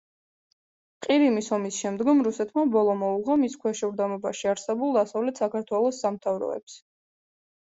ყირიმის ომის შემდგომ რუსეთმა ბოლო მოუღო მის ქვეშევრდომობაში არსებულ დასავლეთ საქართველოს სამთავროებს.